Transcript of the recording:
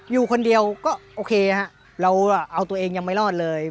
อยู่คนเดียวก็โอเคฮะเราเอาตัวเองยังไม่รอดเลย